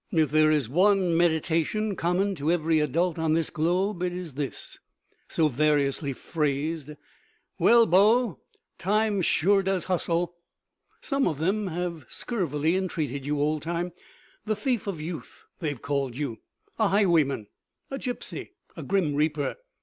If there is one meditation common to every adult on this globe it is this, so variously phrased, "Well, bo, Time sure does hustle." Some of them have scurvily entreated you, old Time! The thief of youth, they have called you; a highwayman, a gipsy, a grim reaper.